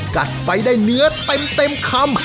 กัดไปได้เนื้อเต็มคำ